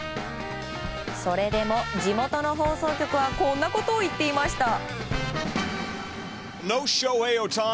それでも、地元の放送局はこんなことを言っていました。